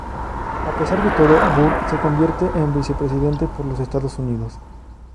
A pesar de todo, Burr se convertiría en vicepresidente por los Estados Unidos.